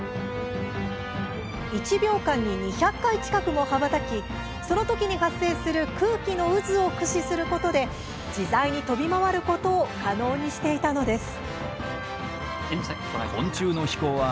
１秒間に２００回近くも羽ばたきその時に発生する空気の渦を駆使することで自在に飛び回ることを可能にしていたのです。